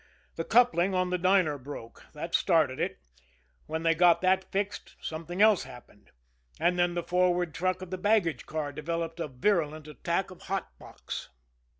The coupling on the diner broke that started it. When they got that fixed, something else happened; and then the forward truck of the baggage car developed a virulent attack of hot box.